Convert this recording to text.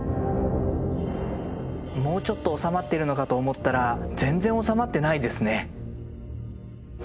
もうちょっと収まってるのかと思ったら全然収まってないですね。